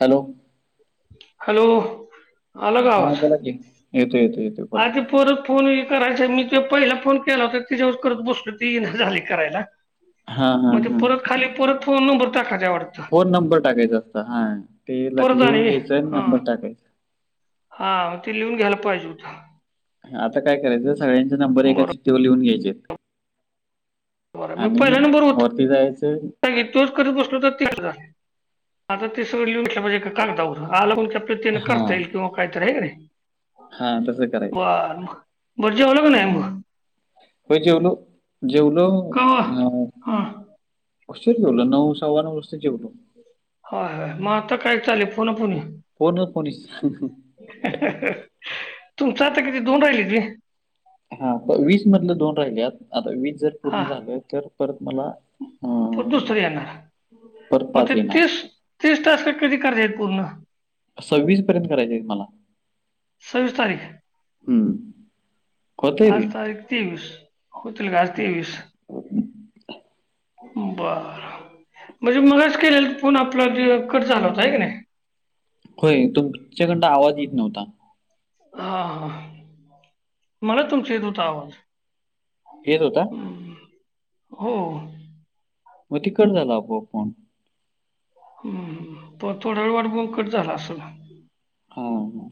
Hello! Hello! हा बोला की. येतो येतो येतो. बोला आज परत फोन करायचा मी ते पहिला फोन केला होता त्याच्यावर करत बसलो ती इना झालय करायला. हां हां म ते हां परत खाली परत फोन नंबर टाका. फोन नंबर टाकायचा असत हा ते ल क परत लिहून आणि घ्यायचंय नंबर टाकायच. हा ते लिहून घ्यायला पाहिजे होतं. आता काय करायचं? सगळ्यांचे नंबर एका बरं चिठ्ठीवर लिहून घ्यायचे आहेत. आणि वरती जायचं. नाही तोच करत बसलो तर तेच रा आता ते सगळं लिहून ठेवा एका कागदावर आल म्हण की अप किंवा त्यान करता येईल किंवा काहीतरी आहे की नाही हा तस करायचं बर मग बरं जेवलं का हा नाही मग होय जेवलो. जेवलो का अं हा उशीर जेवलो नऊ सव्वा नऊ वाजता जेवलो. होय मग आता काय चाललय फोना -फोनी? फोन अ फोनी च. तुमचं आता किती दोन राहिलेत व्हय. हा वीस मधलं दोन राहिल्यात. आता वीस जर हा पूर्ण झालं तर परत मला अ पण दुसरी येणार मग ते तीस तीस टास्क कधी कराज आहेत पूर्ण? सव्वीस पर्यंत करायच आहेत मला. सव्वीस तारीख हम्म - आज तारीख तेवीस. होतील का? आज तेवीस बरं म्हणजे मगाच केलेल फोन आपला ते कट झाला होता आहे की नाही? होय! तुमच्याकडन आवाज येत नव्हता. हा हा मला तुमचा येत होता आवाज. येत होता? हो. म ते कट झाला आपोआप फोन. हम्म हम्म हम्म पर थोडा वेळ वाट बघून कट झाला असल. हम्म.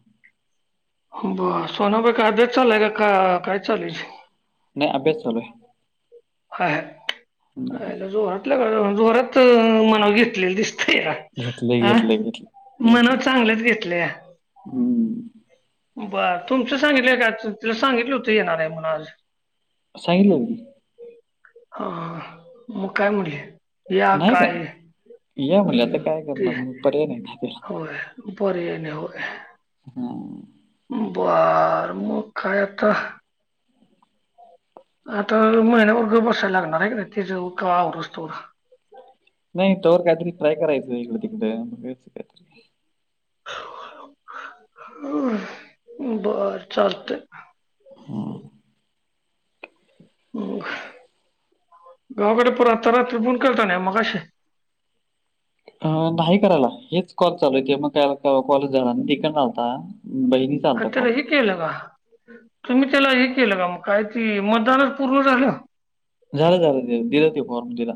ब सोनाबई कायद्या चालय का का काय? चाललोयच. नाही अभ्यास चालू आहे [inaudible] हाय हम्म. -हाय. जोरातल्या कर -जोरात मनाव घेतलेलं दिसतंया. घेतलंय आ? घेतलंय घेतलंय मनाव घेतलंय चांगलंच घेतलंया. हम्म. बर तुमच सांगितलं का तु त सांगितल त येणार आहे म्हण आज. सांगितलं की आ मग काय म्हंटली? या काय या म्हणलं आता हम् काय ते करणार मग पर्याय नाही ना त्याला होय. उपरने हो. हा. बर मू कायता. आता महिन्या वर्ग बसायला लागणार आहे का तिच आवरच तो. नाही तवर काहीतरी ट्राय करायचं इकडं तिकडं बगायचं काहीतरी. बर चालत. हो. गावाकडे पर आ तरात्रिपून केळता न मशे. नाही करायला हेच कॉल चालू आहेेत मग काला कॉलेज जाणार तिकड ला होता. बहिनी. आणि त्याला हे केलं का तुम्ही त्याला हे केलं का मग काय त मतदानच पूर्व झालं. झालं झालं दि दिलं ते फॉर्म दिला.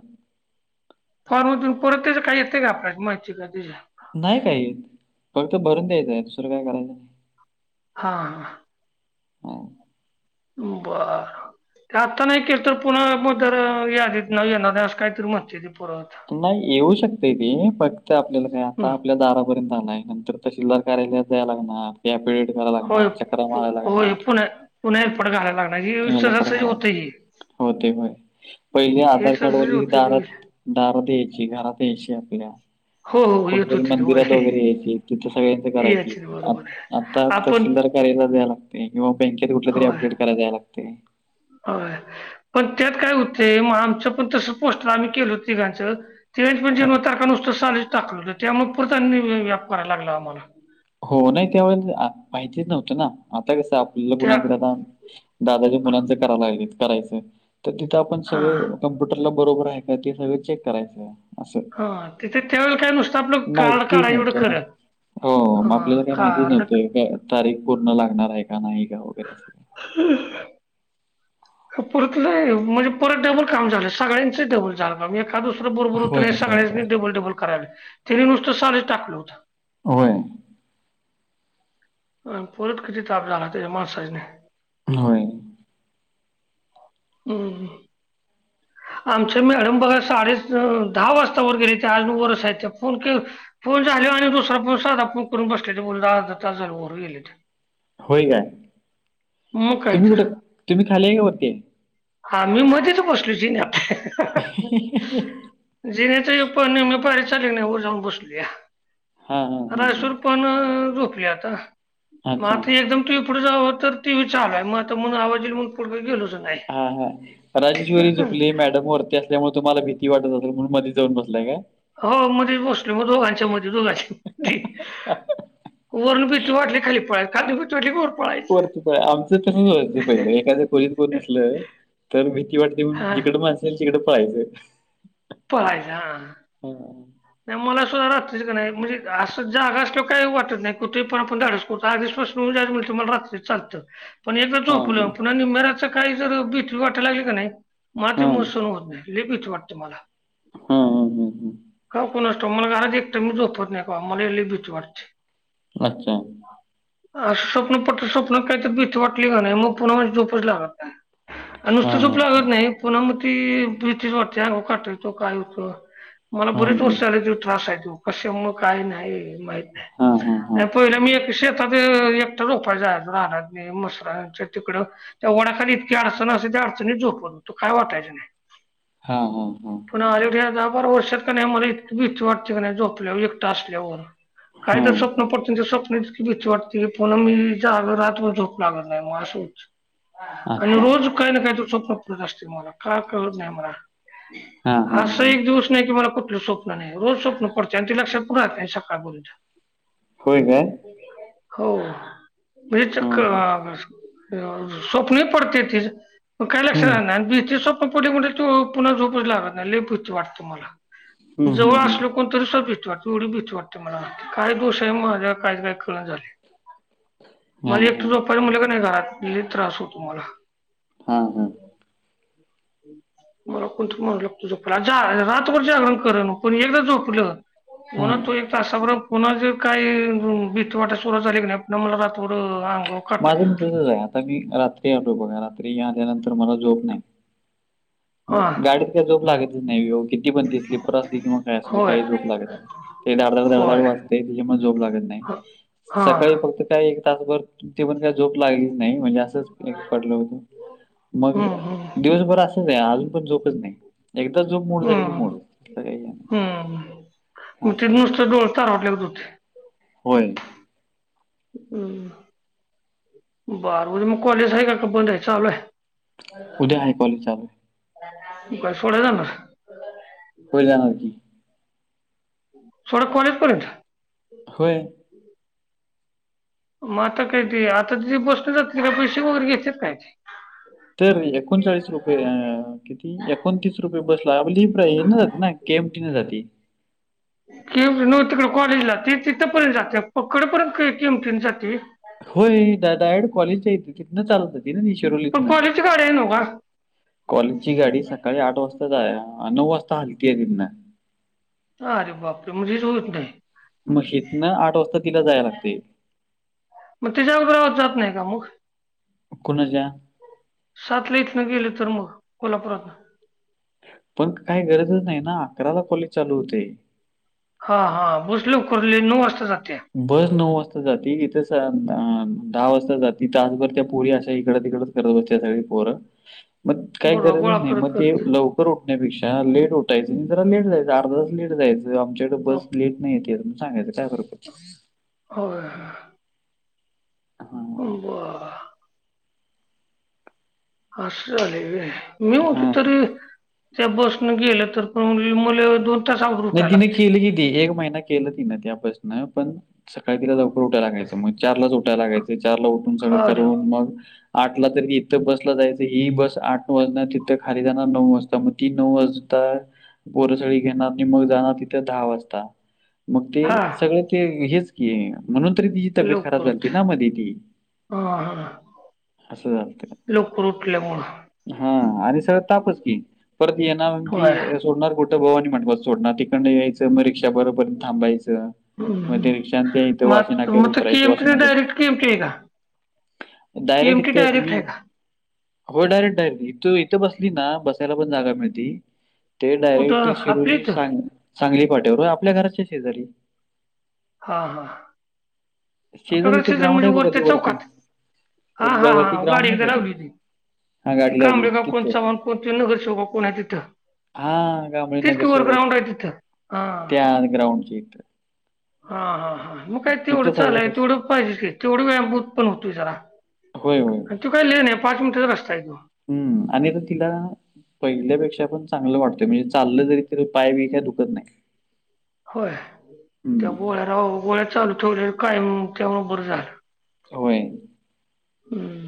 फॉर्मधून परत त्याच काय येते का आपल्याला माहिती आहे का त्या. नाही काही फक्त भरून द्यायचंय दुसरं काय करायचं. हा. हो. बर. आत्ता नाही केल तर पुन्हा मग जर या देत न ये ना नाही असं काहीतरी मस्ते. नाही येऊ शकते तेी फक्त आपल्याला काय आता हम्म. आपल्या दारापर्यंत आणय नंतर. तहशीलदार कार्यालयात जायला लागणार या पिड कराव लागणार चक्र माराव लागणार. उणेरपडग आला. याला प हो तेय पहिले हे आधार कार्ड सहजासहजी ली होतं ते दारात. दारात या्यायची घरात यायची आपल्या. हो हो येत कुठेतरी होती होय मंदिरात वगैरे यायचे तिथे सगळ्यांच करायची. यायची बरोबर आहे आता आपण तहसीलदार करायला जाय लागते किंवा बँकेत कुठल्या तरी अपडेट कराय दय लागते. हो पण त्यात काय होते मग आमचं पण तसं पोस्टर आम्ही केलं तिघांचं. तेवेच पण जेव्हा तारखा नुसतं साल टाकलं त्यामुळे पुरतांनी व्याप करायला लागला आम्हाला. हो नाही त्यावे माहितीच नव्हतं ना आता कसं आपल्याला त्या गुन्ह. दादाजी मुलांच करायला लागले करायचं तर तिथं आपण हा सगळं. कम्प्युटरला बरोबर आहे का ते सगळे चेक करायचं. असं हा तिथे त्यावेळेला काय नुसतं आपलं म कार्ड काढाय एवढं खरं. न. मग हा आपल्याला काही माहितीच कार्ड नव्हतंय का तारीख पूर्ण लागणार आहे का नाही का वगैरे अस. हम्. [unintelligible] नाही म्हणजे परत डबल काम झालं सगळ्यांच डबल. झाल काम एखाद दुसर बरोबर होत होय, हे होय, सगळ्यांनी होय. डबल डबल कराले त्यानी नुसत साध टाकलं होतं. होय. अ परत किती ताप झाला त्या मानसाईजने. होय. हम्. आमचे मॅडम बघा साडे दहा वाजता वर गेले च्यायला वरच आहेत त्या फोन के. फोन झाल्यावर आणि दुसरा फोन साधा फोन करून बसले ते बोलत अर्धा तास झाले वर गेलेत. होय काय मग काय तुम्ही तर कुठे तुम्ही खालेय का वरती. हा मी मध्येच बसलो जिन्यात. ही हि ही. जिन्यांच्या एक पांयरी चढली नाहीं वरं जाऊंन बसलोय आहे हां, हां, हां, हां. रायसुंर पणं झोपली आंता मं अच्छा. आंता एकदंम टीव्ही पुढं जावं तरं टीव्ही चालूं आहे मंग आंता म्हणूंन आवांज येईल मंग पुढं काम गेलोच नाहीं हां हां झोपली मॅडम वरती असल्यांमुळे तुम्हांला भीती वाटतं असेल म्हणूंन मध्यें जाऊंन बसलांय कायं हो मध्येचं बसले मंग दोघांच्या मध्यें दोघांच्या वरूंन भीती वाटली खांली पळं खांली सगळं पळं आहे वरं आमचं तसंच व्हायचं पहिलं एखाद्या खोलीत कोणं नसलं तरं भीती वाटते म्हणूनचं हा जिकड माणसे तिकडं पळायचं पळायचं हां हां नाहीं मलां सुद्धां रात्रीचं कां नाहीं म्हणजे असं जांगा असलो कांहीं वाटतं नाहीं कुंठेही पणं आपणं धाडसं कुठां दिसं पासूंन हो तुम्हांला रात्री चं चालतं पणं एकदाचं हा झोपल्यांवर पुन्हां नीम्या रात्रीचं कांहीं जरं भीती वाटांय लागली की नाहीं मलां हा ते मं संण होतं नाहीं लई भीती वाटते मलां हां हंम हम्मं कां कुंणांस ठाऊंक मलां घरांत एकटं मंग झोपवतं नाहीं मलां लई भीती वाटते अच्छा स्वप्नं पडतं स्वप्नांत कायंतरी भीती वाटली कि नांय मंग पुन्हां माजी झोपचं लागतं नाहीं हा नुसतं हा झोपलं लागतं नाहीं पुन्हां मंग ती भीतीचं वाटते अंगावर कांटा येतो कायं होतं मलां हा बरीेचं वर्ष झाली त्यो त्रांस आहे त्यो कशां मुळे कायं नाहीं माहित नाहीं हां हां हां पहिले मी शेतांत एकटां झोपायचां जायंचो रानांत नि म्हसरांच्या तिकडं त्यां वडांखाली इतकी अडचंण असं त्यां अडचणीत झोपतं होतो कायं वाटायचं नाहीं हां हां हां पणं ह्यां दहा बारा वर्षात की नाहीं मलां इतकी भीती वाटते की नाहीं झोपल्यांवर एकटां असल्यांवर हा कायं तरी स्वप्नं पडतं चं ते स्वप्नं भीती वाटते रे पुन्हां मी जागां रातंभर झोप लागतं नाहीं मंग असां होतं आणि अच्छा रोज कांहीं नां कांहींतरी स्वप्नं पडतं असते मलां कायं कळतं नाहीं हा मलां हा असां हा एक दिवसं नाहीं की मलां कुंठलं स्वप्नं नाहीं रोजचं स्वप्नं पडते आणि ते लक्षांत पणं राहतं नाहीं सकाळ पर्यंतं हो कायं हो मी चक्कर हम्म असं स्वप्नं पडते ती कांहीं लक्षांत हम्म राहतं नाहीं भीती स्वप्नं कधीं कधीं ते पुन्हां झोपचं लागतं नाहीं लई भीती वाटते मलां हम्म हम्म जवळं हम्म असलो कोणंतरी सं भीती वाटते एवढी भीती वाटते मलां कायं दोष आहे माझां कायं कायं काळानं झालायं हा मलां एकटं हा झोपायचं म्हटलं कि नाहीं घरांत लै त्रांस होतो मलां हां हं मलां कोणंतरी माणूंस लागतो झोपांया आणि रातंभर जागरणे करलं एकदाचं झोपलं हो नां हा तूं एक तासांबरोब पुन्हां जरं कांहीं भी्तीवांट सुरुवांत झाली की नाहीं पुन्हां मलां रात्र आंग माझं मित्राचं आहे आंता मी रात्री आलो बघां रात्री आल्यानंतर मलां झोप नाहीं हा मंग गांडीत कायं झोप लागतचं नाहीं किती पणंती स्लीपर असली किंवा कायं असं होय कांहीं झोप लागतं नाहीं ते दडधड दडधड होय वाचते त्यांच्या मुळं झोप लागतं नाहीं ह हा सकाळी फक्तं कायं त्यांचभर ते पणं कायं झोप लागलीच नाहीं म्हणजे असंच पडलं होतं मंग हम्म हम्म दिवसभर असंच आहे, अजून पण झोपच नाही. एकदा झोप मोड झाली की हम्म मोड काही आहे. वाटले त होते. होय. हम्म, बारावाजता मग कॉलेज आहे का, का बंद आहे, चालू आहे? उद्या आहे कॉलेज चालू. काय सोड्या जाणार? होय जाणार की. शेवट कॉलेजपर्यंत. होय. मग आता काय ते, आता तिथे बसले जाते का, पैसे वगैरे घेतचे काय ते? तर एकोणचाळीस रुपये किती, एकोणतीस रुपये बसला, आप लिप रा ये ना जात ना? केमटीने जाते. की न, तिकडे कॉलेजला तिथंपर्यंत जाते, पकडपर्यंत किंमतीने जाते. होय, डायरेक्ट कॉलेज येतं, तिथनं चालत हो त ना पण शिरोरीतं? कॉलेजची गाडी आहे नव्ह कॉलेजची गाडी सकाळी आठ वाजताच आहे, नऊ वाजता हालती आहे तं ना. अं, अरे बापरे, म्हणजेच होत नाही. मग हितनं आठ वाजता तिथं जायला लागते. मग तिच्यावर ग्राॅहात जात नाही का मग? कोणाचा? सातला इथनं गेले तर मग कोल्हापुरातून. पण काही गरजच नाही ना, अकराला कॉलेज चालू होतंय. हा, हा, बस लवकर नऊ वाजता जात्या. बस नऊ वाजता जाती, इथे दहा वाजता जात, तासभर त्या पोरी अशा इकड तिकड. फरवरच्या थाळी पोररा. ह. मग काही गरज नाही, मग ते लव लवकर उठण्यापेक्षा लेट उठायचं, जरा लेट जायचं, अर्धा तास लेट जायचं. आमच्याकडे हो बस लेट नाही येते, सांगायचं काय पडतो. होय. हां. ब [unintelligible] असं झालंय, आय मी म्हटलो हां. तरी. त्या बसनं गेलं तर पण मुले दोन. तास अगोदर नाही, उठायला तिनं लागते केली किती, एक महिना. केलं ती ना, त्यापासून पण सकाळी तिला लवकर उठायला लागायचं, मग चारला उठावं लागायचं, चारला उठलं सगळं हा देव करून मग आठला तरी इथं बसला जायचं, ही बस आठ वाजणार, तिथं खाली जाणार नऊ वाजता, मग ती नऊ वाज वाजता पोरं सगळी घेणार आणि मग जाणार तिथे दहा वाजता, मग ते हा सगळं ते हेच की. म्हणून तरी तिची तब्येत खराब लवकर उठ झालती ना मध्ये ती. हा हा. असं झालं का? लवकर उठलं मूड. हा, आणि सगळं तापच की, परत ये ना म्हं होय कि. सोडणार कुठं, भाऊ मांडवात सोडणार, तिकडं यायचं, मग रिक्षा भरेपर्यंत थांबायचं. मग हम्म. ते रिक्षा ते इथं मग आत- वाशीिनाक्यावर मग तर उतरायचं केएमटी वाशीिनाक्या. डायरेक्ट केएमटी आहे का डायरेक्ट केएमटी इथं डायरेक्ट तुम्ही. आहे का हो डायरेक्ट डायरेक्ट इथ इथं बसली ना बसायला पण जागा मिळती. ते डायरेक्ट कुठं आपल्या शिरोली इथं सांग सांगली पाट्यावर आपल्या घराच्या शेजारी. हा हा आपल्याक शेजारी ते असे तर ग्राउंड म्हणजे आहे वर बघा ते त्या वरती. चौकात. हा हा वरती हा गाडी ग्राउंड एक नाही तर का ते? लावली ती. हां ते गाडी लावली कांबळे का कोण तिथं. चव्हाण कोण नगरसेवक कोण आहे तिथं. हा गामळी तेच की वर नगरसेवक ग्राउंड आहेत आहे तिथं हा त्या ग्राउंडची य. हा हा हा मग काय तेवढं तिथं सगळं चालय बस तेवढं पाहिजे तेवढं व्यायामभूत पण होतोय जरा. होय होय. आणि तू काही लेण आहे पाच मिनिटच रस्ता आहे तो. हम्म आणि तिला. पहिल्यापेक्षा पण चांगलं वाटतंय म्हणजे चाल जरी त पाय बी काय दुखत नाही. होय त्या हं. गोळ्या रा गोळ्या चालू ठेवल्या काय त्यामुबर झालं. होय. हम्म.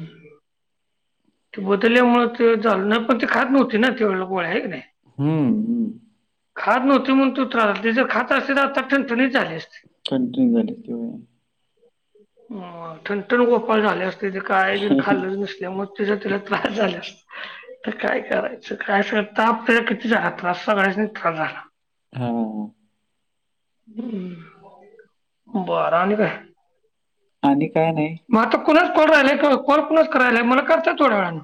ते बदलल्यामुळे तेचालू पण ते खात नव्हती ना तेवो आहे की नाही. हम् हम्. खाात नव्हती म्हणून तू त्रास जर खात असते तठण ठणी चाली असते. कंट्री झाली क. हठण गोपाळ झाले असते ते काय जण खाल्लच नसल्या मग. तिचा तिला त्रास झाला. तर काय करायचं काय स आपला किती त्रास सगळचा त्रास झाला. हो हो. हम्म बारा नि का. आणि काय नाही. मग आता कोणाच कॉल राहिलायि कॉलुच करायला मला कचय थोड्या वेळं.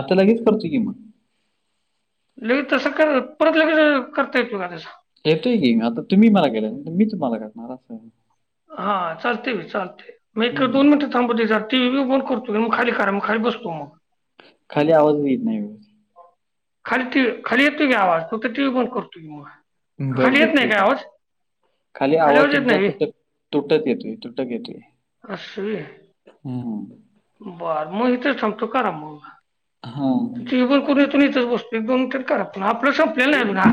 आता लगेच करत कि मग. लगे तसं कर परत लगेच करता ये येत तु का तसं. येतोय की आता तुम्ही मला गेलाय मी तुम्हाला काणार अस आहे. हा चालते चालते मी हं. दोन मिनिट. ती जातीण करतो की मग खाली करा मग खाली बसतो मग. खाली आवाजून येत नाही. व्यवस्थित. खाली टी खाली येतो गी आवाज तो तर टी व्ही पण करतोयी मग. बर खाली बर येत नाही ठीक काय आहे आवाज खाली आवाज तुमचा तर. तुटत येतय तुटत येते. असवी बर मग इथ सांगतो कारा म. हा. ीवन कोून योून इच बसतो एकद त्यार खराब. आपण स पले ना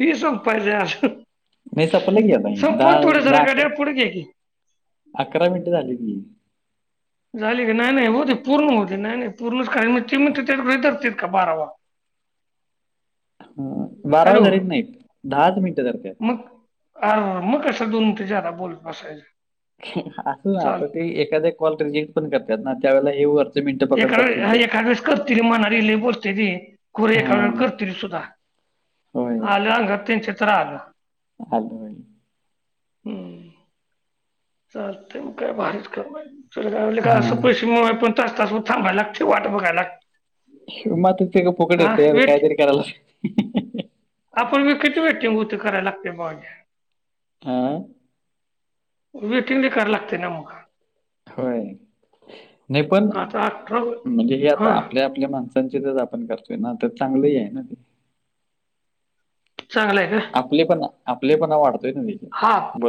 क सब पाहिले. नाही सपलं की आता दहा दहा अकरा गाड्या पुढे घ्या की अकरा मिनिटे झाली की. झाली काी नाही नाही हो ते पूर्ण होते नाही पूर्णच त इर का बारावा. [unintelligible] बारावा हॅलो झारीत नाहीत दहाच मिनट ज का. मग अर मग कशा दोन ते जादा बोलत बसायच. असं ना आता ते एखाद्या कॉल रिजेक्ट पण करतात ना त्यावेेळे हे व. एकास एकाद वळेस करते र मणार ल बोलते र. खर एका हा वळ करतील सुद्धा होय आलं अंग त्यांच्या तर्र आलं. हाल भई. हम्म. का म हा आपण. त थांबायलाग ठ वाट बघायला. म सग हा पुकडेते अ वेट कायतरी काडेला. आपण विकती भेटेती कराय लागते बाज. हां. वेटिंग ल करा लागते ना मग. होय नाही पण आता अठरा म्हणजे हा आता आपल्या. म्हणे माणसांचे तेच आपण करतोय ना तर चांगलं आहे ना ते. चांगलंय का. आपले पण आपले पण वाटतोय ना देखील. हा.